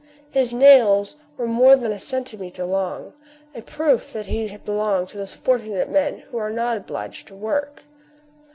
His nails were more than a centimetre long, a proof that he belonged to those fortunate men who are not obliged to work.